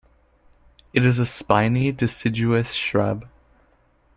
It is a spiny deciduous shrub.